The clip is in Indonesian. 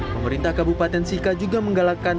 pemerintah kabupaten sika juga menggalakkan